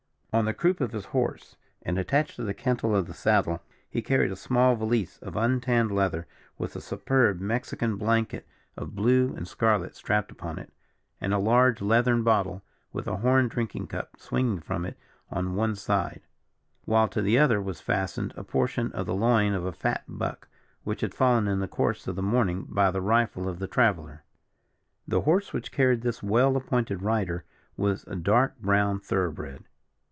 On the croupe of his horse, and attached to the cantle of the saddle, he carried a small valise of untanned leather, with a superb Mexican blanket of blue and scarlet strapped upon it, and a large leathern bottle with a horn drinking cup swinging from it on one side; while to the other was fastened a portion of the loin of a fat buck, which had fallen in the course of the morning by the rifle of the traveller. The horse which carried this well appointed rider was a dark brown thorough bred.